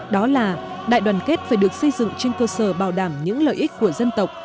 đó là đại đoàn kết phải được xây dựng trên cơ sở bảo đảm những lợi ích của dân tộc